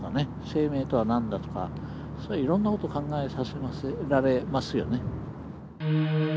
生命とは何だとかそういういろんなこと考えさせられますよね。